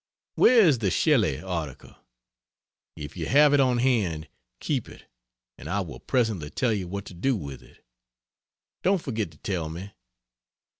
Where is the Shelley article? If you have it on hand, keep it and I will presently tell you what to do with it. Don't forget to tell me.